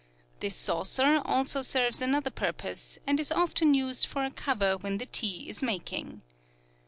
This saucer also serves another purpose, and is often used for a cover when the tea is making.